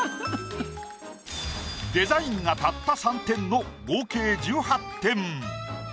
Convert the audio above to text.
デザインがたった３点の合計１８点。